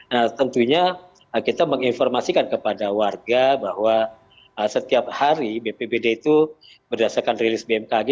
nah tentunya kita menginformasikan kepada warga bahwa setiap hari bpbd itu berdasarkan rilis bmkg